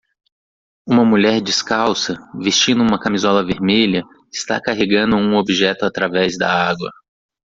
Uma mulher descalça, vestindo uma camisola vermelha está carregando um objeto através da água